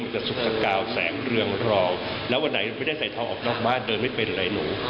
มันจะสุกสะกาวแสงเรืองเหร่า